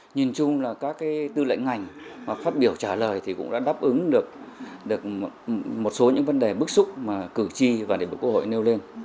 nhìn chung là các tư lệnh ngành mà phát biểu trả lời thì cũng đã đáp ứng được một số những vấn đề bức xúc mà cử tri và đại biểu quốc hội nêu lên